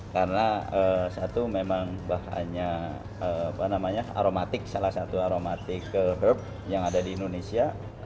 karena satu memang bahannya aromatik salah satu aromatik herb yang ada di indonesia